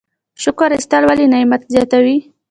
شکر ایستل ولې نعمت زیاتوي؟